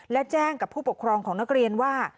และแจ้งกับผู้ปกครองของนักเรียนว่า